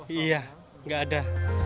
iya tidak ada